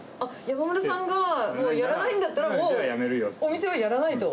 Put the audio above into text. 山村さんがやらないんだったじゃあやめるよと。